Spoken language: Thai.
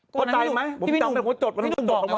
เข้าใจไหมผมจำไว้คนของจดก็ต้องจดเอาไว้